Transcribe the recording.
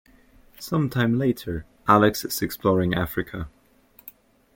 Some time later, Alex is exploring Africa.